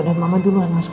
dan mama duluan masuk sini